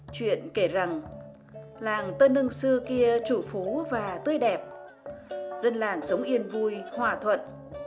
chuyện kể rằng làng tơ nưng xưa kia trụ phú và tươi đẹp dân làng sống yên vui hòa thuận